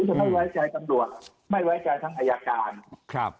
อาจจะมาอีก๑๐เดือนก็มีหลักฐานอะไรก็เอาไปให้อายการได้